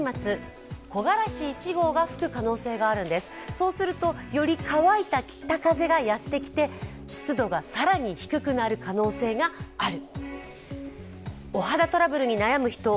そうすると、より乾いた北風がやってきて湿度が更に低くなる可能性がある。